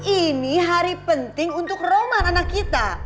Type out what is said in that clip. ini hari penting untuk roman anak kita